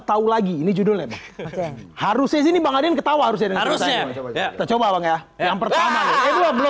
ketawa lagi ini judulnya harusnya sini bang adian ketawa harusnya coba ya yang pertama belum